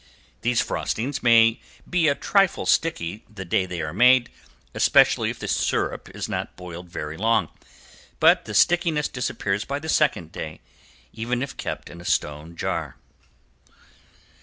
These frostings may be a trifle sticky the day they are made, especially if the syrup is not boiled very long, but the stickiness disappears by the second day, even if kept in a stone jar.